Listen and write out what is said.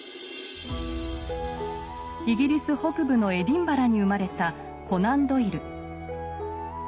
イギリス北部のエディンバラに生まれたコナン・ドイル。